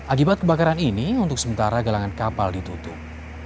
akibat kebakaran ini untuk sementara galangan kapal ditutup